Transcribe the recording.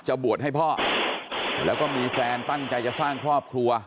บวชให้พ่อแล้วก็มีแฟนตั้งใจจะสร้างครอบครัว